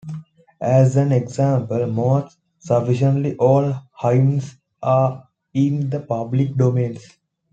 As an example, most sufficiently old hymns are in the public domain.